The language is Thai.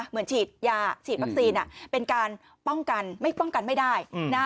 เหมือนฉีดยาฉีดวัคซีนเป็นการป้องกันไม่ป้องกันไม่ได้